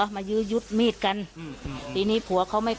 มายืดมีดมีดกันอืมอืมอืมตีนี้ผัวเขาไม่ฟัง